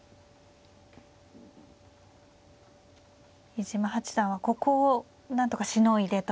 飯島八段はここをなんとかしのいでと。